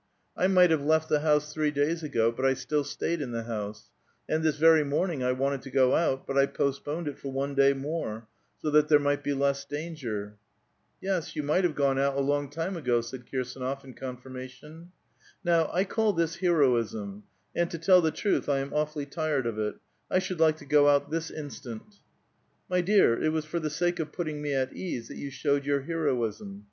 I might have left the house three days ago, but I still stayed in the house ; and this very morning I wanted to go out, but I postponed it for one day more, so that there might be less danger." *'Ye8, you might have gone out a long time ago," said Kirsdnof in confirmation. " Now, I call this heroism, and, to tell the truth, I am awfully tired of it ; I should like to go out this instant." " My dear, it was for the sake of putting me at ease that you showed your heroism.